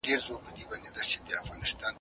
که اسناد رابرسېره سی نو باید ښکاره سی.